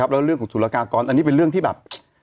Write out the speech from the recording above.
แล้วเรื่องของสุรกากรอันนี้เป็นเรื่องที่แบบ